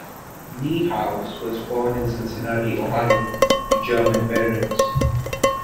Niehaus was born in Cincinnati, Ohio to German parents.